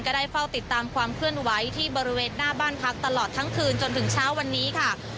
ได้เฝ้าติดตามความเคลื่อนไหวที่บริเวณหน้าบ้านพักตลอดทั้งคืนจนถึงเช้าวันนี้ค่ะ